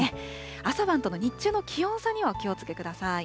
朝晩との日中の気温差にはお気をつけください。